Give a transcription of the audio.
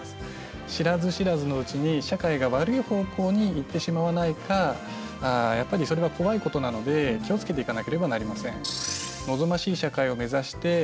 知らず知らずのうちに社会が悪い方向に行ってしまわないかやっぱりそれは怖いことなので気を付けていかなければなりません。